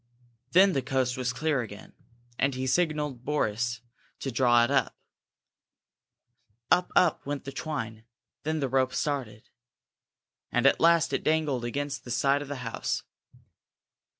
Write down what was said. Then the coast was clear again, and he signalled to Boris to draw it up. Up, up went the twine; then the rope started. And at last it dangled against the side of the house.